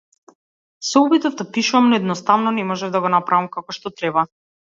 Се обидов да пишувам, но едноставно не можев да го направам како што треба.